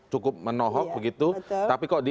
cukup menohok begitu tapi kok di